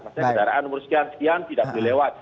maksudnya kendaraan umur sekian sekian tidak boleh lewat